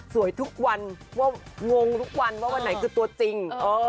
ทุกวันว่างงทุกวันว่าวันไหนคือตัวจริง